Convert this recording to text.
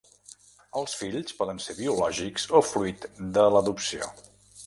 Els fills poden ser biològics o fruit de l'adopció.